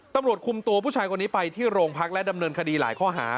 ตำรวจคุมตัวผู้ชายคนนี้ไปที่โรงพักและดำเนินคดีหลายข้อหา